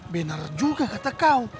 benar juga kata kau